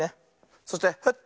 そしてフッ。